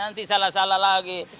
nanti salah salah lagi